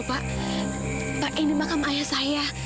pak pak ini makam ayah saya